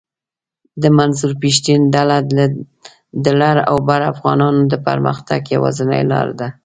د منظور پشتین ډله د لر اوبر افغانانو د پرمختګ یواځنۍ لار ده